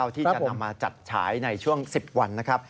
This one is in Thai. ที่จะนำมาจัดฉายในช่วง๑๐วันนะครับ